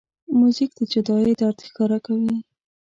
موزیک د جدایۍ درد ښکاره کوي.